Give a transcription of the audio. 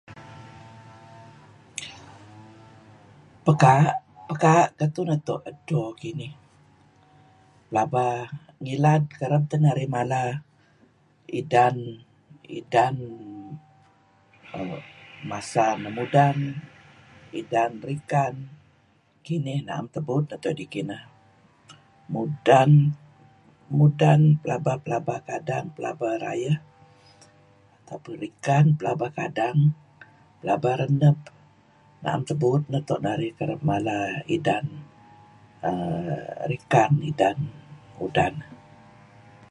Pekaa' pekaa' ketuh neto' edto kinih pelaba ngilad kereb teh narih mala idan idan err masa mudan idan rikan, kinih na'em tebuut neto' dih kineh, mudan pelaba pelaba rayeh rikan pelaba kadang pelaba reneb na'em tebuut neto' narih kereb mala idan err rikan idan mudan